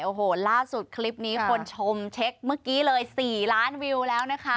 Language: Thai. โอ้โหล่าสุดคลิปนี้คนชมเช็คเมื่อกี้เลย๔ล้านวิวแล้วนะคะ